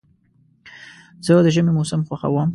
زه د ژمي موسم خوښوم.